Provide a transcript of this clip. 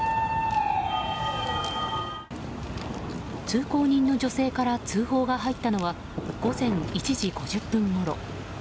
通行人の女性から通報が入ったのは午前１時５０分ごろ。